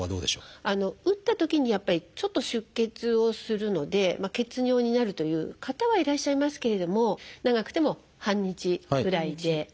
打ったときにやっぱりちょっと出血をするので血尿になるという方はいらっしゃいますけれども長くても半日ぐらいで。